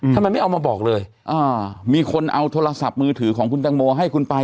ทำไมไม่เอามาบอกเลยมีคนเอาโทรศัพท์มือถือของคุณตังโมให้คุณไป